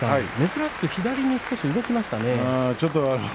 珍しく左に動きましたね。